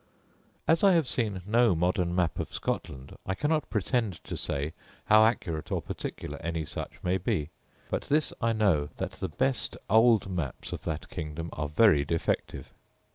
As I have seen no modern map of Scotland, I cannot pretend to say how accurate or particular any such may be; but this I know, that the best old maps of that kingdom are very defective.